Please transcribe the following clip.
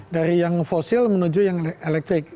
dari yang fosil menuju yang elektrik